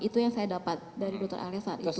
itu yang saya dapat dari dokter alia saat itu